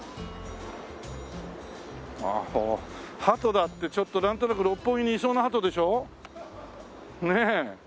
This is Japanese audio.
ああハトだってちょっとなんとなく六本木にいそうなハトでしょ？ねえ。